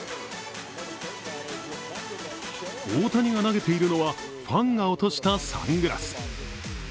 大谷が投げているのはファンが落としたサングラス。